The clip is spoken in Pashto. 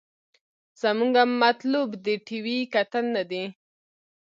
زمونګه مطلوب د ټي وي کتل نه دې.